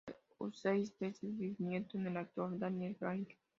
Su seis veces bisnieto es el actor Daniel Craig.